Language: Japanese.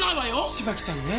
芝木さんね昔は